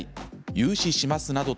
「融資します」などと